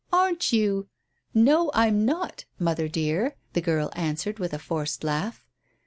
"Aren't you " "No, I'm not, mother dear," the girl answered with a forced laugh.